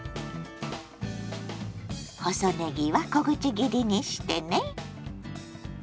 細ねぎは小口切りにしてね。